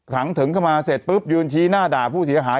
ขังถึงเข้ามาเสร็จปุ๊บยืนชี้หน้าด่าผู้เสียหาย